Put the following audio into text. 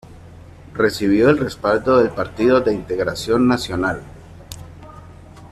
Recibió el respaldo del Partido de Integración Nacional.